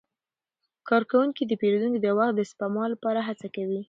کارکوونکي د پیرودونکو د وخت د سپما لپاره هڅه کوي.